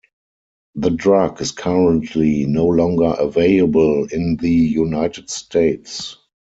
The drug is currently no longer available in the United States.